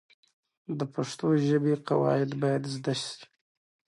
د پښتو ژبې قواعد باید زده سي.